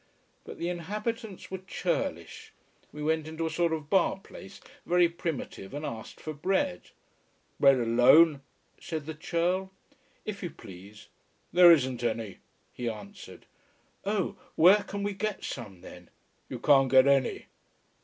But the inhabitants were churlish. We went into a sort of bar place, very primitive, and asked for bread. "Bread alone?" said the churl. "If you please." "There isn't any," he answered. "Oh where can we get some then?" "You can't get any."